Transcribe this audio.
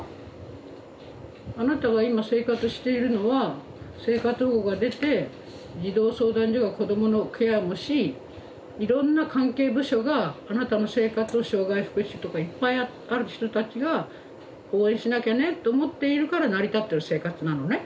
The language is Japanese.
あなたが今生活しているのは生活保護が出て児童相談所が子どものケアもしいろんな関係部署があなたの生活を障害福祉とかいっぱいある人たちが応援しなきゃねと思っているから成り立ってる生活なのね。